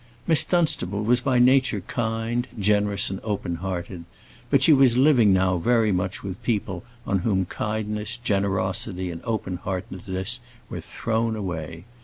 Miss Dunstable was by nature kind, generous, and open hearted; but she was living now very much with people on whom kindness, generosity, and open heartedness were thrown away.